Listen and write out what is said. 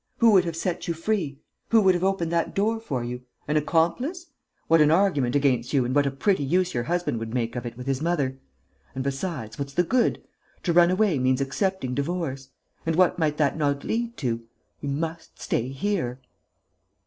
Who would have set you free? Who would have opened that door for you? An accomplice? What an argument against you and what a pretty use your husband would make of it with his mother!... And, besides, what's the good? To run away means accepting divorce ... and what might that not lead to?... You must stay here...."